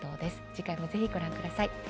次回も、ぜひご覧ください。